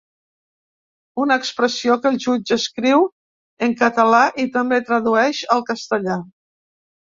Una expressió que el jutge escriu en català i també tradueix al castellà.